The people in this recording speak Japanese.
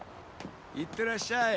・いってらっしゃい。